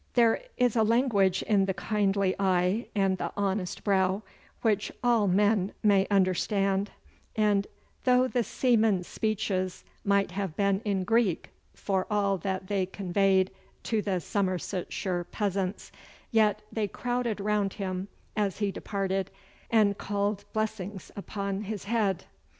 There is a language in the kindly eye and the honest brow which all men may understand; and though the seaman's speeches might have been in Greek, for all that they conveyed to the Somersetshire peasants, yet they crowded round him as he departed and called blessings upon his head.